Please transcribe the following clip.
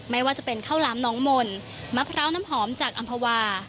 ไม่ว่าจะเป็นข้าวล้ำน้องมลมะพร้าวน้ำหอมจากอัมพวา